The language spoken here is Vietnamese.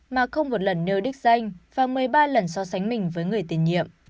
mà không một lần nêu đích danh và một mươi ba lần so sánh mình với người tiền nhiệm